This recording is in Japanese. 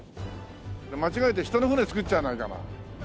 間違えて人の船造っちゃわないかな。